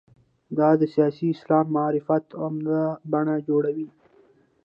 دا د سیاسي اسلام معرفت عمده برخه جوړوي.